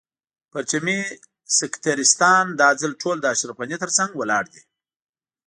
پرچمي سکتریستان دا ځل ټول د اشرف غني تر څنګ ولاړ دي.